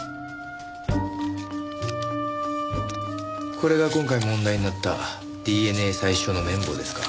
これが今回問題になったＤＮＡ採取用の綿棒ですか。